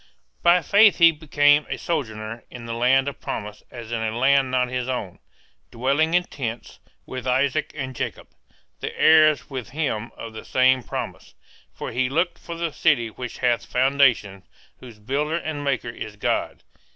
By faith he became a sojourner in the land of promise as in a land not his own, dwelling in tents, with Isaac and Jacob, the heirs with him of the same promise; for he looked for the city which hath foundations, whose builder and maker is God.